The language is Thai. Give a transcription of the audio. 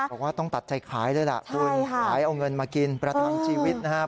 บอกว่าต้องตัดใจขายเลยล่ะคุณขายเอาเงินมากินประทังชีวิตนะครับ